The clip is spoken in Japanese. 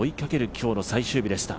今日の最終日でした。